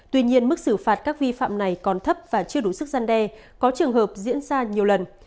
tuy nhiên mức xử phạt các vi phạm này còn thấp và chưa đủ sức gian đe có trường hợp diễn ra nhiều lần